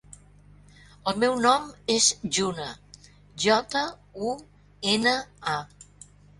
El meu nom és Juna: jota, u, ena, a.